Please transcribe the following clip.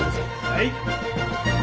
はい。